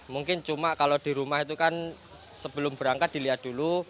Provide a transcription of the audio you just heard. mungkin cuma kalau di rumah itu kan sebelum berangkat dilihat dulu